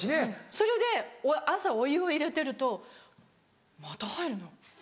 それで朝お湯を入れてると「また入るの？